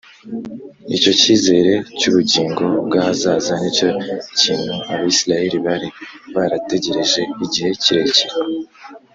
Icyo cyizere cy’ubugingo bw’ahazaza nicyo kintu Abisiraheli bari barategereje igihe kirekire